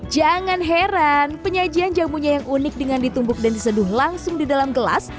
jangan heran penyajian jamunya yang unik dengan ditumbuk dan diseduh langsung di dalam gelas